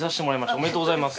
おめでとうございます。